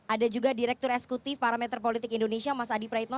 ada juga direktur esekutif parameter politik indonesia mas adi praitno